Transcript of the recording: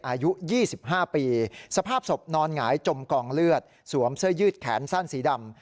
อายุ๒๕ปีสภาพศพนอนหงายจมกองเลือดสวมเสื้อยืดแขนสั้นสีดำ